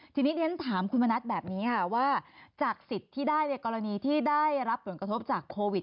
ทีนี้เรียนถามคุณมณัฐแบบนี้ค่ะว่าจากสิทธิ์ที่ได้ในกรณีที่ได้รับผลกระทบจากโควิด